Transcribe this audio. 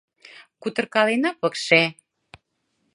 Кутыркалена пыкше...